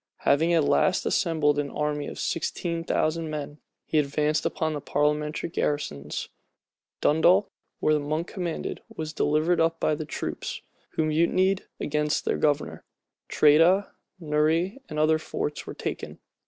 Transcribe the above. Having at last assembled an army of sixteen thousand men, he advanced upon the parliamentary garrisons. Dundalk, where Monk commanded, was delivered up by the troops, who mutinied against their governor. Tredah, Neury, and other forts, were taken.